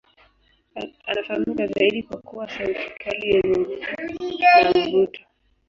Anafahamika zaidi kwa kuwa sauti kali yenye nguvu na mvuto.